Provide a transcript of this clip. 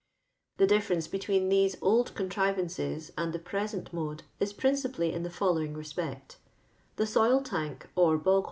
The difleivnce Iretwcen these old con trivances and the ]»n>sert mode is princii>ally in tlie following respect : the soil tank or bog.